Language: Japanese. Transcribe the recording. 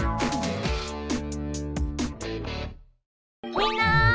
みんな！